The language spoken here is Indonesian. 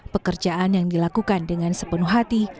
pekerjaan yang dilakukan dengan sepenuh hati